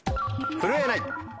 「震えない」。